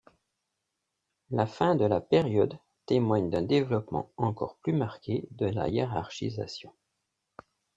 La fin de la période témoigne d'un développement encore plus marqué de la hiérarchisation.